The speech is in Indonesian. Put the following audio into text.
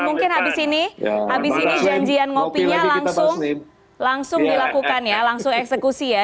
mungkin habis ini habis ini janjian ngopinya langsung dilakukan ya langsung eksekusi ya